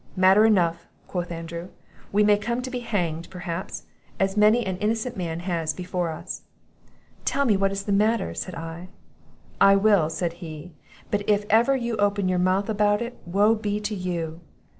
'Matter enough!' quoth Andrew; 'we may come to be hanged, perhaps, as many an innocent man has before us.' 'Tell me what is the matter,' said I. 'I will,' said he; 'but if ever you open your mouth about it, woe be to you!